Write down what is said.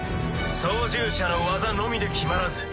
操縦者の技量のみで決まらず。